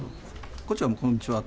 こっちがもう、こんにちは。